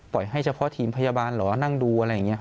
ปล่อยให้เฉพาะทีมพยาบาลเหรอนั่งดู